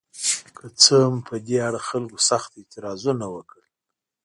که څه هم په دې اړه خلکو سخت اعتراضونه وکړل.